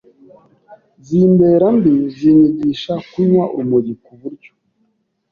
zimbera mbi zinyigisha kunywa urumogi ku buryo